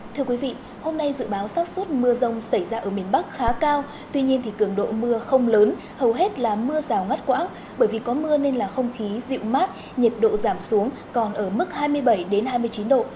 thưa quý vị hôm nay dự báo sát xuất mưa rông xảy ra ở miền bắc khá cao tuy nhiên thì cường độ mưa không lớn hầu hết là mưa rào ngắt quãng bởi vì có mưa nên là không khí dịu mát nhiệt độ giảm xuống còn ở mức hai mươi bảy hai mươi chín độ